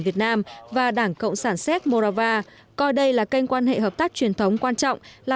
việt nam và đảng cộng sản séc morava coi đây là kênh quan hệ hợp tác truyền thống quan trọng là